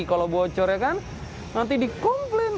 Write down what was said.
kalau bocor ya kan nanti dikomplain